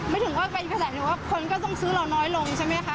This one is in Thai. ไม่ถึงว่าเป็นอีกกระแสหนึ่งว่าคนก็ต้องซื้อเราน้อยลงใช่ไหมคะ